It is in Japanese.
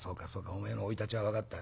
おめえの生い立ちは分かったよ。